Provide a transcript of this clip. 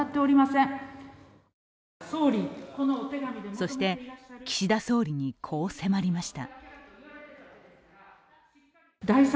そして岸田総理にこう迫りました。